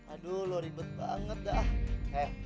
aduh lo ribet banget dah